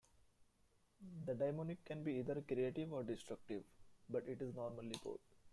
The daimonic can be either creative or destructive, but it is normally both...